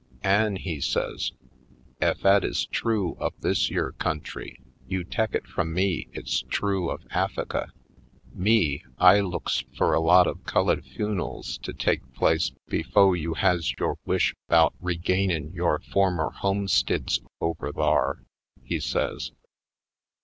"An^," he says, "ef 'at is true of this yere country, you tek it f rum me it's true of Af fika. Me, I looks fur a lot of cullid fun'els to tek place befo' you has yore wish 'bout regainin' yore former homestids over thar," he says.